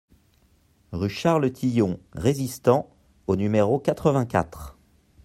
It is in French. Rue Charles Tillon Résistant au numéro quatre-vingt-quatre